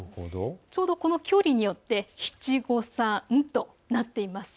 ちょうどこの距離によって、７５３となっているんです。